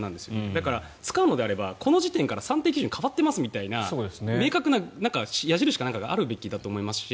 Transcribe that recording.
だから、使うのであればこの時点から算定基準が変わっていますという明確な矢印があるべきだと思いますし。